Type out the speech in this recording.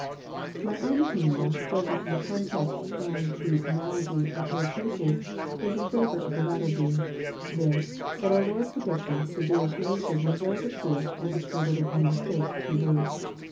My own opinion, judging from the context and the analogy of other places, is in favour of the latter view : viz., that our Lord predicted the Jewish nation would know the truth and discover their own mistake too late.